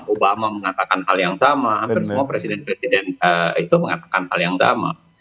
obama mengatakan hal yang sama hampir semua presiden presiden itu mengatakan hal yang sama